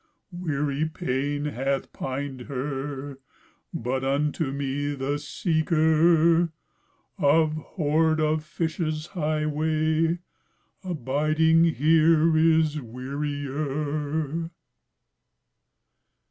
Weary pain hath pined her, But unto me, the seeker Of hoard of fishes highway, Abiding here is wearier."